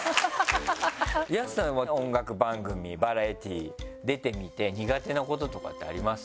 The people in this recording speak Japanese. ＹＡＳＵさんは音楽番組バラエティー出てみて苦手なこととかってあります？